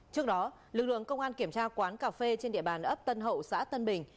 trước đó lực lượng công an kiểm tra quán cà phê trên địa bàn ấp tân hậu xã tân bình